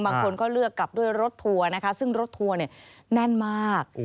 บางคนก็เลือกกลับด้วยรถทัวร์นะคะซึ่งรถทัวร์เนี่ยแน่นมาก